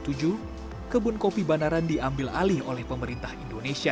kebun kopi banaran diambil alih oleh pemerintah indonesia